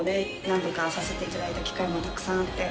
何度かさせていただいた機会もたくさんあって。